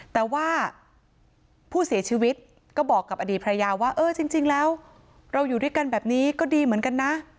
แต่ว่าผู้เสียชีวิตก็บอกกับอดีตภรรยาว่าเออจริงแล้วเราอยู่ด้วยกันแบบนี้ก็ดีเหมือนกันนะ